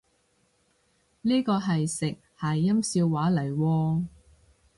呢個係食諧音笑話嚟喎？